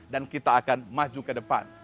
dan kita akan maju ke depan